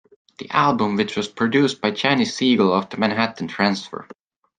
The album, which was produced by Janis Siegel of The Manhattan Transfer.